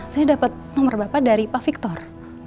saya dapat nomor bapak dari pak victor